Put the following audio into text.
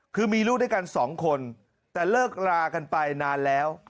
คือมีลูกด้วยกันสองคนแต่เลิกรากันไปนานแล้ว